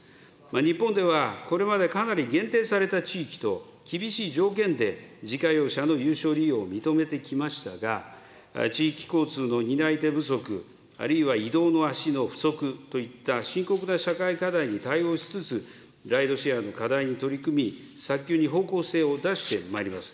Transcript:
日本ではこれまでかなり限定された地域と厳しい条件で、自家用車の有償利用を認めてきましたが、地域交通の担い手不足、あるいは移動の足の不足といった深刻な社会課題に対応しつつ、ライドシェアの課題に取り組み、早急に方向性を出してまいります。